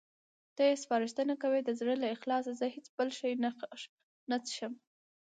ته یې سپارښتنه کوې؟ د زړه له اخلاصه، زه هېڅ بل شی نه څښم.